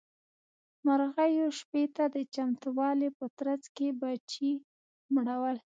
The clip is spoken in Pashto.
مرغيو شپې ته د چمتووالي په ترڅ کې بچي مړول.